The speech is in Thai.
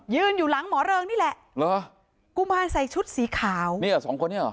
อยู่หลังหมอเริงนี่แหละเหรอกุมารใส่ชุดสีขาวเนี่ยสองคนนี้เหรอ